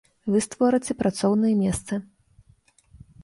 Вы створыце працоўныя месцы.